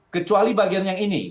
kecuali bagian yang ini